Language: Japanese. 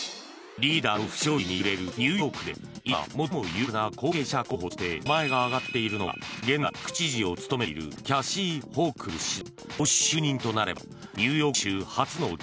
リーダーの不祥事に揺れるニューヨークで今、最も有力な後継者候補として名前が挙がっているのが現在、副知事を務めているキャシー・ホークル氏だ。